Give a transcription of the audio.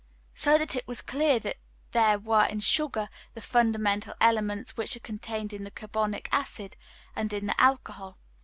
So that it was clear there were in sugar the fundamental elements which are contained in the carbonic acid, and in the alcohol.